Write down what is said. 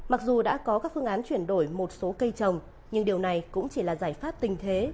mặc dù đã có các phương án chuyển đổi một số cây trồng nhưng điều này cũng chỉ là giải pháp tình thế